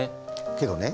けどね